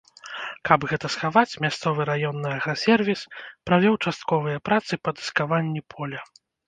Каб гэта схаваць, мясцовы раённы аграсервіс правёў частковыя працы па дыскаванні поля.